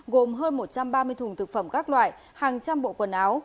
gồm hơn một trăm ba mươi thùng thực phẩm các loại hàng trăm bộ quần áo